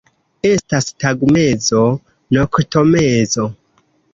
Estas tagmezo, noktomezo.